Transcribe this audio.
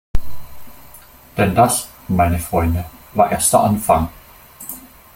Denn das, meine Freunde, war erst der Anfang!